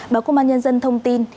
báo công an nhân dân thông tin